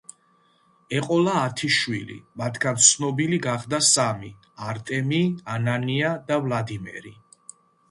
ეყოლა ათი შვილი, მათგან ცნობილი გახდა სამი: არტემი, ანანია და ვლადიმერი.